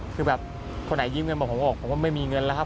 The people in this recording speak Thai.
คือแบบคนไหนยืมเงินบอกผมออกผมว่าไม่มีเงินแล้วครับ